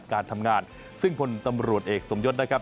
การทำงานซึ่งพลตำรวจเอกสมยศนะครับ